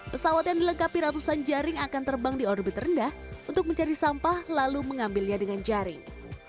pesawat yang dilengkapi ratusan jaring akan terbang di orbit rendah untuk mencari sampah lalu mengambilnya dengan jaring